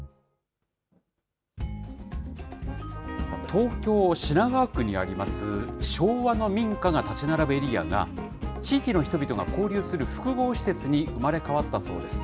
東京・品川区にあります、昭和の民家が建ち並ぶエリアが、地域の人々が交流する複合施設に生まれ変わったそうです。